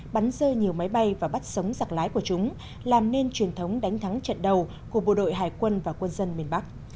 bắn rơi nhiều máy bay và bắt sống giặc lái của chúng làm nên truyền thống đánh thắng trận đầu của bộ đội hải quân và quân dân miền bắc